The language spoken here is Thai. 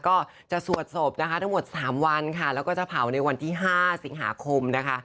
ก็จะสวดศพนะคะทั้งหมด๓วันค่ะแล้วก็จะเผาในวันที่๕สิงหาคมนะคะ